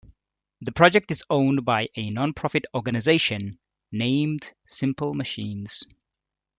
The project is owned by a non-profit organization, named "Simple Machines".